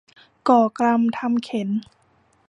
ก่อกรรมทำเข็ญ